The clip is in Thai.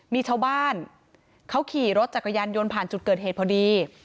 มีชาวบ้านเขาขี่รถจักรยานยนต์ผ่านจุดเกิดเหตุพอดี